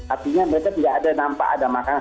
artinya mereka tidak ada nampak ada makanan